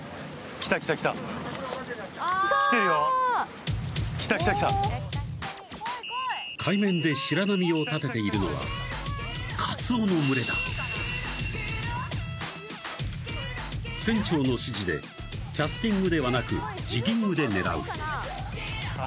来た来た来た海面で白波を立てているのはカツオの群れだ船長の指示でキャスティングではなくジギングで狙うあ